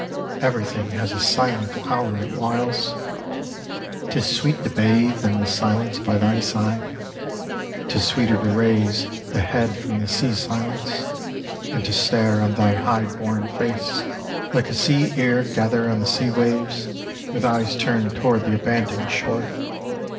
Everything has a silent hour at whiles : Tis sweet to bathe in the silence by thy side ; 'Tis sweeter to raise the head from the sea silence, And to stare on thy high born face, Like a sea ear gatherer on the sea waves With eyes turned toward the abandoned shore.